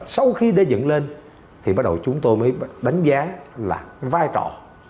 sau khi đã dựng lên thì bắt đầu chúng tôi mới đánh giá là vai trò